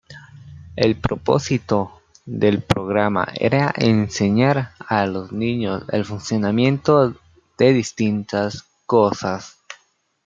El propósito del programa era enseñar a los niños el funcionamiento de distintas cosas.